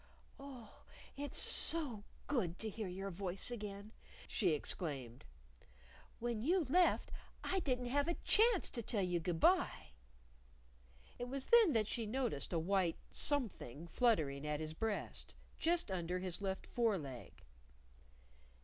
"Oh, it's so good to hear your voice again!" she exclaimed. "When you left, I didn't have a chance to tell you good by." It was then that she noticed a white something fluttering at his breast, just under his left fore leg.